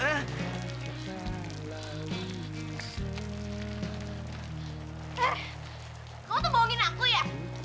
ah kamu tuh bohongin aku ya